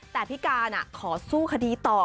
แต่พี่การขอสู้คดีต่อ